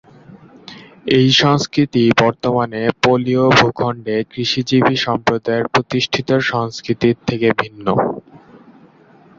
এই সংস্কৃতি বর্তমান পোলীয় ভূখণ্ডে কৃষিজীবী সম্প্রদায়ের প্রতিষ্ঠিত সংস্কৃতির থেকে ভিন্ন।